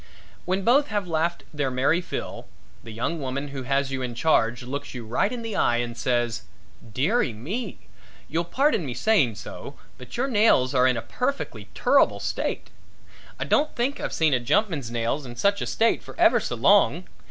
When both have laughed their merry fill, the young woman who has you in charge looks you right in the eye and says: "Dearie me; you'll pardon me saying so, but your nails are in a perfectly turrible state. I don't think I've seen a jumpman's nails in such a state for ever so long.